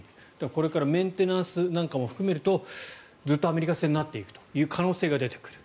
これからメンテナンスなんかも含めるとずっとアメリカ製になっていく可能性が出てくる。